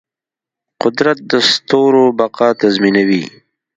قدرت د ستورو بقا تضمینوي.